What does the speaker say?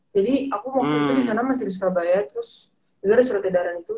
jadi aku waktu itu disana masih di surabaya